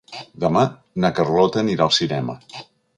Demà na Carlota anirà al cinema.